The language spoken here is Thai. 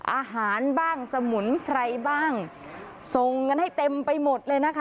อาหารบ้างสมุนไพรบ้างส่งกันให้เต็มไปหมดเลยนะคะ